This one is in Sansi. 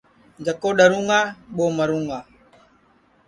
جکو ڈؔرُوں گا ٻو مرُوں گا